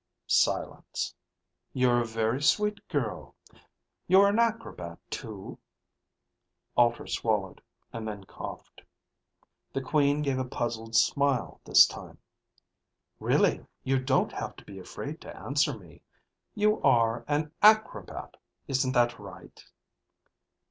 Silence. "You're a very sweet girl. You're an acrobat too?" Alter swallowed, and then coughed. The Queen gave a puzzled smile this time. "Really, you don't have to be afraid to answer me. You are an acrobat, isn't that right?"